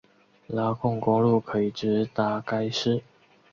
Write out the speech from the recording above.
拉贡公路可以直达该寺。